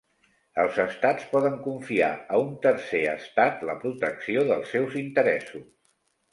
Els estats poden confiar a un tercer estat la protecció dels seus interessos.